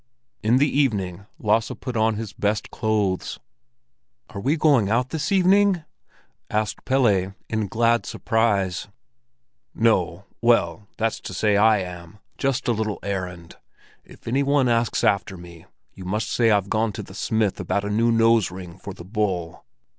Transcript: In the evening Lasse put on his best clothes. "Are we going out this evening?" asked Pelle in glad surprise. "No—well, that's to say I am, just a little errand. If any one asks after me, you must say that I've gone to the smith about a new nose ring for the bull."